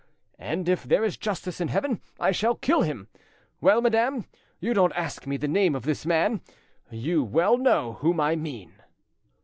And if, there is justice in heaven, I shall kill him! Well, madame, you don't ask me the name of this man! You well know whom I mean!"